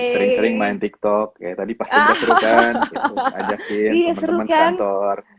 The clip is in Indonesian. sering sering main tiktok kayak tadi pasti gak seru kan ajakin temen temen sekantor